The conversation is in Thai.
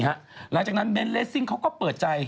หลังจากนั้นเน้นเลสซิ่งเขาก็เปิดใจ